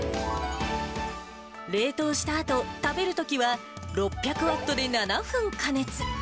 冷凍したあと、食べるときは、６００ワットで７分加熱。